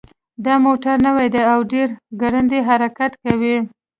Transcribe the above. دا موټر نوی ده او ډېر ګړندی حرکت کوي